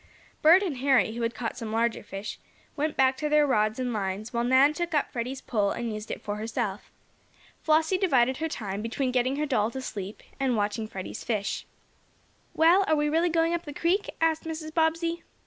Bert and Harry, who had caught some larger fish, went back to their rods and lines, while Nan took up Freddie's pole and used it for herself. Flossie divided her time between getting her doll to "sleep" and watching Freddie's fish. "Well, are we really going up the creek?" asked Mrs. Bobbsey.